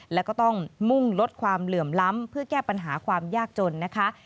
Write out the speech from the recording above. แล้วก็ต้องมุ่งลดความเหลื่อมล้ำเพื่อแก้ปัญหาความยากจนนะคะ